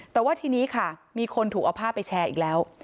แต่ว่าทีนี้ค่ะมีคนถูกเอาภาพไปแชร์อีกแล้ว